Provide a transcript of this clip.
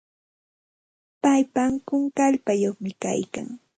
Paypa ankun kallpayuqmi kaykan.